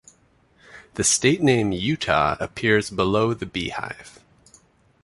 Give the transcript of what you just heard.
The state name "Utah" appears below the beehive.